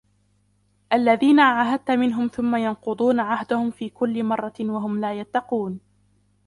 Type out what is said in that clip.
الَّذِينَ عَاهَدْتَ مِنْهُمْ ثُمَّ يَنْقُضُونَ عَهْدَهُمْ فِي كُلِّ مَرَّةٍ وَهُمْ لَا يَتَّقُونَ